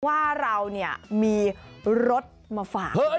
ว่าเราเนี่ยมีรถมาฝาก